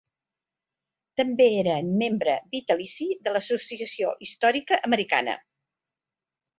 També era membre vitalici de l'Associació històrica americana.